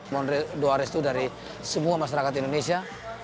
mohon doa restu dari semua masyarakat indonesia